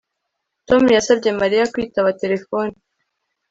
Tom yasabye Mariya kwitaba terefone